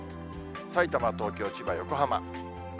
さいたま、東京、千葉、横浜。